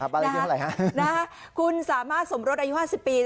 บ้านเลขที่เท่าไหร่นะคุณสามารถสมรสอายุ๕๐ปี